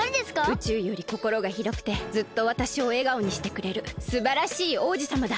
宇宙よりこころがひろくてずっとわたしをえがおにしてくれるすばらしい王子さまだ。